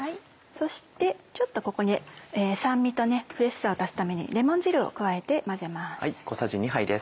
そしてちょっとここに酸味とフレッシュさを出すためにレモン汁を加えて混ぜます。